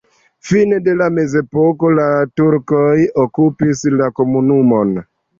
Fine de la mezepoko la turkoj okupis la komunumon.